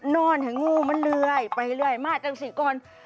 นอนให้งู้มันเรื่อยมาจังสิเกิล